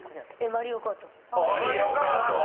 「マリオカート」。